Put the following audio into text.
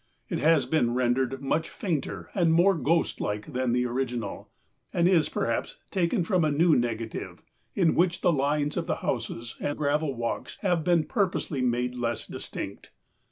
It has been rendered much fainter and more ghostlike than the original, and is perhaps taken from a new negative in which the lines of the houses and gravel walks have been purposely made less distinct.